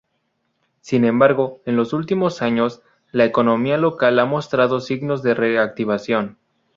Sin embargo, en los últimos años, la economía local ha mostrado signos de reactivación.